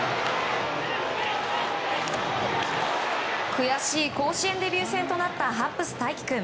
悔しい甲子園デビュー戦となったハッブス大起君。